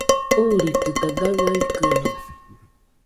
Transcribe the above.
Uuritɨkaɨ gaɨa ikɨno